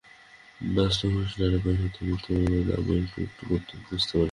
ব্যস্ত হোস নে ভাই, সত্যমিথ্যের প্রভেদ আমি একটু একটু বুঝতে পারি।